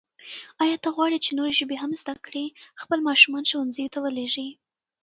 آیا ته غواړې چې نورې ژبې هم زده کړې؟ خپل ماشومان ښوونځیو ته ولېږئ.